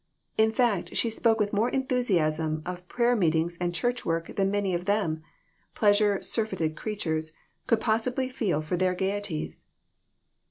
In fact, she spoke with more enthusiasm of prayer meet ings and church work than many of them pleas ure surfeited creatures could possibly feel for their gayeties.